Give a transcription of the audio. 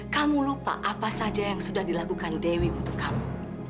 kamu lupa apa saja yang sudah dilakukan dewi untuk kamu